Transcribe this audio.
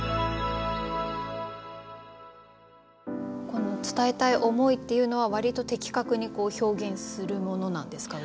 この伝えたい思いっていうのは割と的確に表現するものなんですか？